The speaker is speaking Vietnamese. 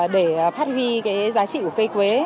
để phát huy giá trị của cây quế